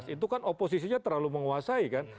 itu kan oposisinya terlalu menguasai kan